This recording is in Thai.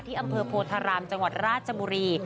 อำเภอโพธารามจังหวัดราชบุรี